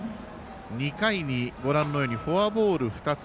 ２回にフォアボール２つ。